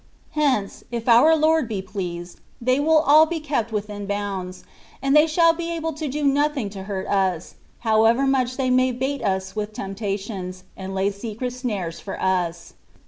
Hence, if our Lord be pleased, they will all be kept within bounds, and they shaU be able to do nothing to hurt us, however much they may bait us with temptations, and lay secret snares for us.